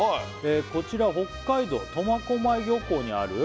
「こちら北海道苫小牧漁港にある」